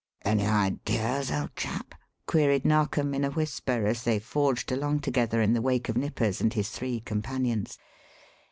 "Any ideas, old chap?" queried Narkom in a whisper as they forged along together in the wake of Nippers and his three companions.